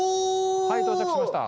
はい到着しました。